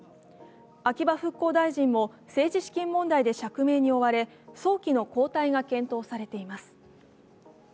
秋葉復興大臣も政治資金問題で釈明に追われ、早期の交代が検討されています。